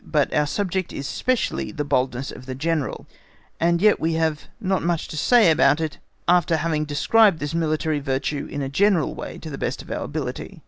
But our subject is specially the boldness of the General, and yet we have not much to say about it after having described this military virtue in a general way to the best of our ability.